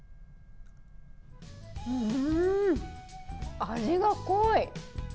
うーん、味が濃い！